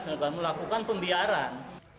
segera melakukan pembiaran